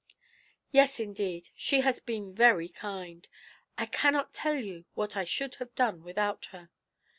"Yes, indeed, she has been very kind. I cannot tell you what I should have done without her.